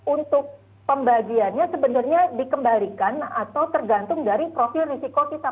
untuk pembagiannya sebenarnya dikembalikan atau tergantung dari profil risiko kita